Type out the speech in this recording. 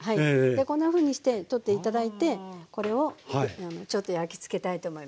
こんなふうにして取って頂いてこれをちょっと焼きつけたいと思います。